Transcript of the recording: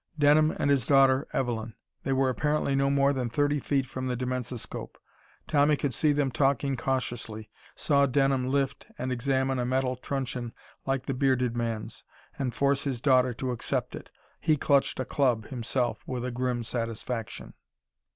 Denham and his daughter Evelyn. They were apparently no more than thirty feet from the dimensoscope. Tommy could see them talking cautiously, saw Denham lift and examine a metal truncheon like the bearded man's, and force his daughter to accept it. He clutched a club, himself, with a grim satisfaction.